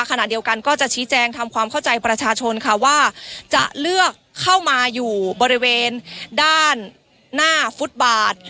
ขณะเดียวกันก็จะชี้แจงทำความเข้าใจประชาชนค่ะว่าจะเลือกเข้ามาอยู่บริเวณด้านหน้าฟุตบาท